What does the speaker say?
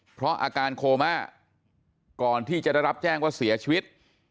เพราะอาการโคม่าก่อนที่จะได้รับแจ้งว่าเสียชีวิต